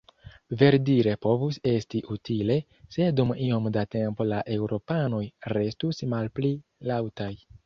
Verdire povus esti utile, se dum iom da tempo la eŭropanoj restus malpli laŭtaj.